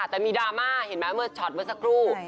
แต่มีดราม่าเห็นไหมเมื่อช็อตเมื่อสักครู่